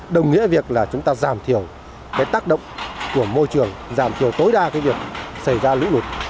đồng nghĩa việc là chúng ta giảm thiểu cái tác động của môi trường giảm thiểu tối đa cái việc xảy ra lũ lụt